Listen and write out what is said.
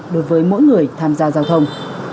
đối với mỗi người tham gia giao thông